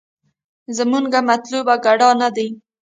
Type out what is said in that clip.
زمونګه مطلوب ګډا نه دې.